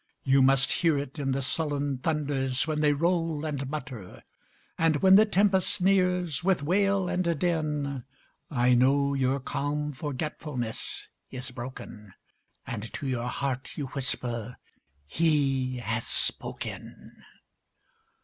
You must hear it in The sullen thunders when they roll and mutter: And when the tempest nears, with wail and din, I know your calm forgetfulness is broken, And to your heart you whisper, "He has spoken."